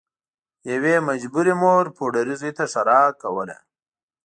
یوې مجبورې مور پوډري زوی ته ښیرا کوله